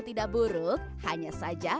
tidak buruk hanya saja